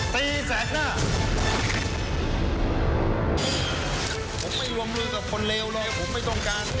เดี๋ยวเลยผมไม่ต้องการ